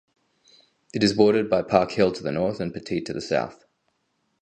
It is bordered by Park Hill to the north and Pettit to the south.